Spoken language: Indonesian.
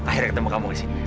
akhirnya ketemu kamu di sini